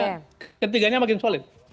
karena ketiganya makin solid